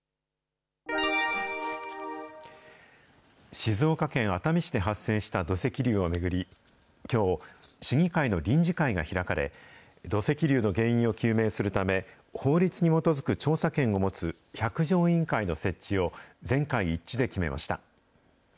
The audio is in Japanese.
静岡県熱海市で発生した土石流を巡り、きょう、市議会の臨時会が開かれ、土石流の原因を究明するため、法律に基づく調査権を持つ百条委員会の設置を、全会一致で決めました。